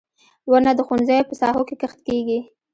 • ونه د ښوونځیو په ساحو کې کښت کیږي.